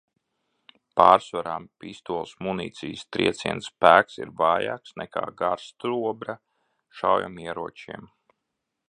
Pārsvarā pistoles munīcijas trieciena spēks ir vājāks nekā garstobra šaujamieročiem.